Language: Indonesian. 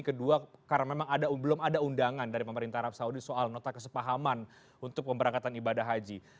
kedua karena memang belum ada undangan dari pemerintah arab saudi soal nota kesepahaman untuk pemberangkatan ibadah haji